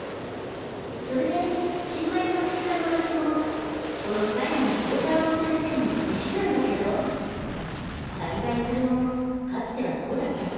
それで新米作詞家の私もこの斉門高太郎先生の弟子なんだけど狩場ユズルもかつてはそうだったの。